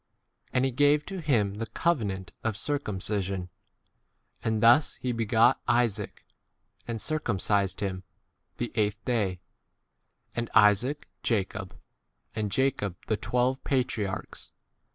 And he gave to him [the] covenant of circumcision ; and thus he begat Isaac and circum cised [him] the eighth day ; and Isaac Jacob, and Jacob the twelve 9 patriarchs.